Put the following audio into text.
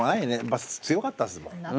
強かったですもん。